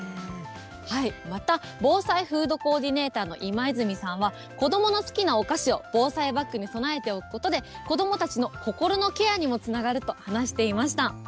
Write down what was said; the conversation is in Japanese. また、防災フードコーディネーターの今泉さんは、子どもの好きなお菓子を防災バッグに備えておくことで、子どもたちの心のケアにもつながると話していました。